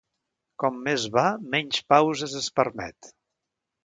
Com més va, menys pauses es permet.